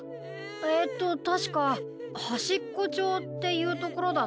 えっとたしかはしっこちょうっていうところだって。